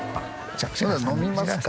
ほな飲みますか？